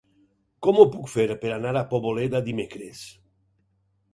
Com ho puc fer per anar a Poboleda dimecres?